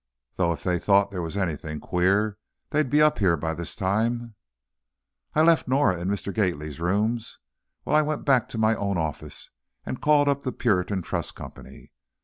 Though if they thought there was anything queer they'd be up here by this time." I left Norah in Mr. Gately's rooms while I went back to my own office and called up the Puritan Trust Company.